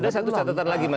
ada satu catatan lagi mas